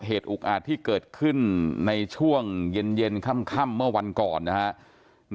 อุกอาจที่เกิดขึ้นในช่วงเย็นค่ำเมื่อวันก่อนนะครับ